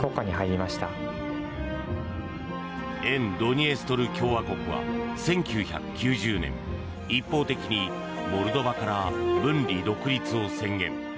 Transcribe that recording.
沿ドニエストル共和国は１９９０年一方的にモルドバから分離独立を宣言。